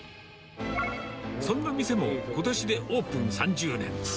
そんな店も、ことしでオープン３０年。